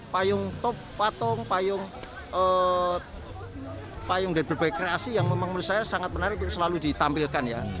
payung top patung payung payung dan berbagai kreasi yang memang menurut saya sangat menarik selalu ditampilkan ya